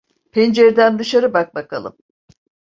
Pencereden dışarı bak bakalım…